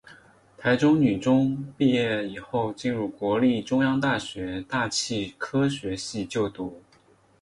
台中女中毕业以后进入国立中央大学大气科学系就读。